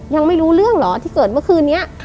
ยังไม่รู้เรื่องเหรอที่เกิดเมื่อคืนนี้